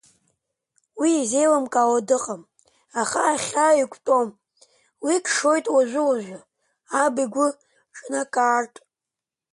Уи изеилымкаауа дыҟам, аха ахьаа еиқәтәом, уи кшоит уажәы-уажәы, аб игәы ҿнакаартә.